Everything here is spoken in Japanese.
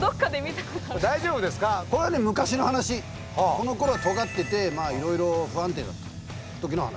このころはとがってていろいろ不安定だった時の話。